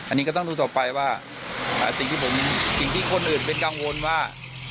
อันนี้ก็ต้องดูต่อไปว่าสิ่งที่คนอื่นเป็นกังวลว่า